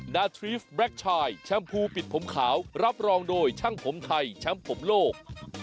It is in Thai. นาทรีฟแบล็คชายแชมพูปิดผมขาวรับรองโดยช่างผมไทยแชมป์ผมโลก